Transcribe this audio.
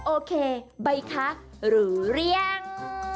โอเคบ๊ายค่ะหรือเรียง